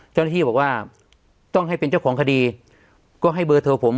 เจ้าหน้าที่บอกว่าต้องให้เป็นเจ้าของคดีก็ให้เบอร์โทรผม